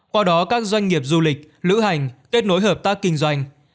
qua đó các doanh nghiệp du lịch lữ hành kết nối hợp tác kinh doanh